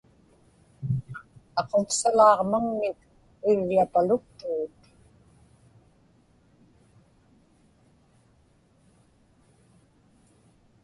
Aquvsalaaġmaŋnik iglapaluktugut.